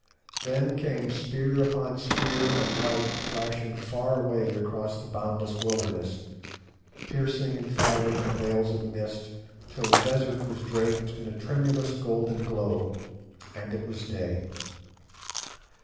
Then came spear upon spear of light flashing far away across the boundless wilderness, piercing and firing the veils of mist, till the desert was draped in a tremulous golden glow, and it was day.